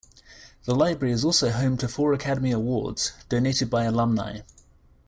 The library is also home to four Academy Awards, donated by alumni.